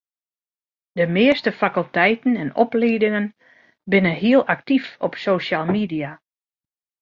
De measte fakulteiten en opliedingen binne hiel aktyf op social media.